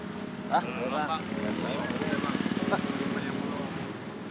siapa aja itu ngindali kan